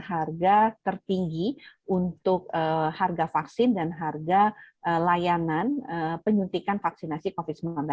harga tertinggi untuk harga vaksin dan harga layanan penyuntikan vaksinasi covid sembilan belas